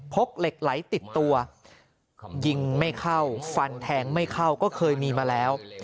เหล็กไหลติดตัวยิงไม่เข้าฟันแทงไม่เข้าก็เคยมีมาแล้ว